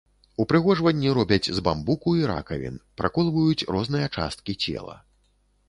Упрыгожванні робяць з бамбуку і ракавін, праколваюць розныя часткі цела.